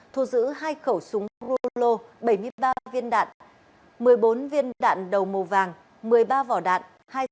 thu giữ hai khẩu súng rulo bảy mươi ba viên đạn một mươi bốn viên đạn đầu màu vàng một mươi ba vỏ đạn hai xe mô tô và một xe xe xe